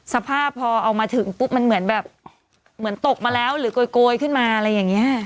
สภาพพอเอามาถึงปุ๊บมันเหมือนแบบเหมือนตกมาแล้วหรือโกยขึ้นมาอะไรอย่างนี้